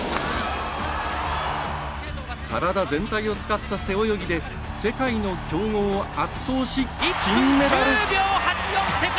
体全体を使った背泳ぎで世界の強豪を圧倒し、金メダル。